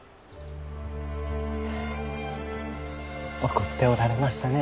怒っておられましたねぇ。